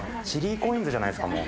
シリーコインズじゃないですか？